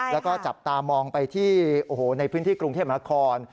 แล้วก็จับตามองไปที่ในพื้นที่กรุงเทพนคร